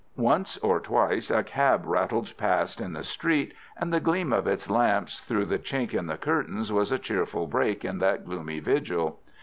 Once or twice a cab rattled past in the street, and the gleam of its lamps through the chink in the curtains was a cheerful break in that gloomy vigil.